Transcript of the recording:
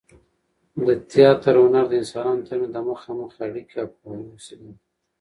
د تياتر هنر د انسانانو تر منځ د مخامخ اړیکې او پوهاوي وسیله ده.